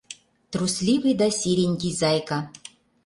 «Трусливый да серенький зайка...» —